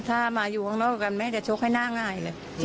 ถ้ามาอยู่ข้างนอกกันแม่จะชกให้หน้าง่ายเลย